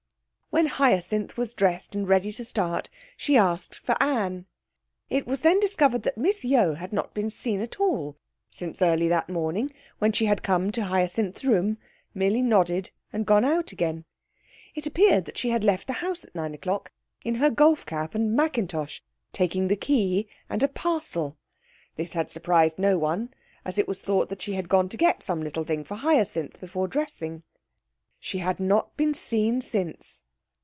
When Hyacinth was dressed and ready to start she asked for Anne. It was then discovered that Miss Yeo had not been seen at all since early that morning, when she had come to Hyacinth's room, merely nodded and gone out again. It appeared that she had left the house at nine o'clock in her golf cap and mackintosh, taking the key and a parcel. This had surprised no one, as it was thought that she had gone to get some little thing for Hyacinth before dressing. She had not been seen since.